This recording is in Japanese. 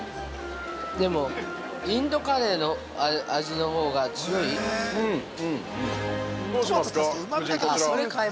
でも、インドカレーの味のほうが強い？